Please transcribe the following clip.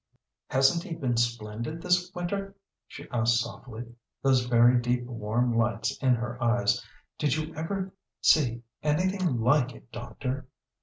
"Hasn't he been splendid this winter?" she asked softly, those very deep warm lights in her eyes. "Did you ever see anything like it, doctor?"